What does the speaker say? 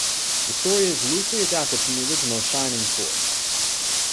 The story is loosely adapted from the original "Shining Force".